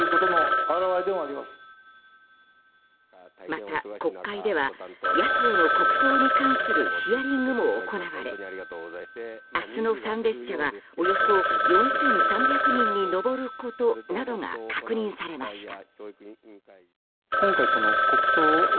また国会では、野党の国葬に関するヒアリングも行われ明日の参列者はおよそ４３００人に上ることなどが確認されました。